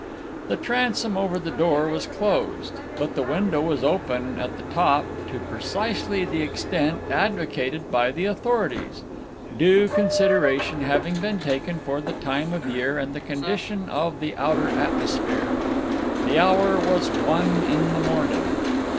The transom over the door was closed, but the window was open at the top to precisely the extent advocated by the authorities, due consideration having been taken for the time of year and the condition of the outer atmosphere. The hour was one in the morning.